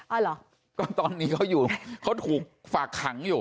เหรอก็ตอนนี้เขาอยู่เขาถูกฝากขังอยู่